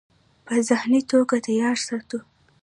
پۀ ذهني توګه تيار ساتو -